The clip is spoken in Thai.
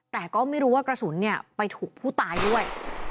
แต่ก็ไม่รู้ว่ากระสุนไปถูกผู้ตายด้วย